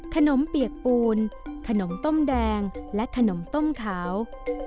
เปียกปูนขนมต้มแดงและขนมต้มขาว